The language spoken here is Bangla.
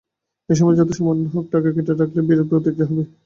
এ সময়ে যত সামান্যই হোক, টাকা কেটে রাখলে বিরূপ প্রতিক্রিয়া হবেই।